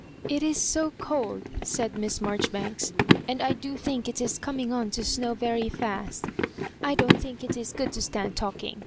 '< It is so cold," said Miss Marjoribanks, " and I do think it is coming on to snow very fast I don't think it is good to stand talking.